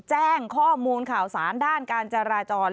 แจ้งข้อมูลข่าวสารด้านการจราจร